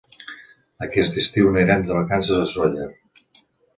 Aquest estiu anirem de vacances a Sóller.